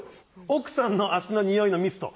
奥さんの足のニオイのミスト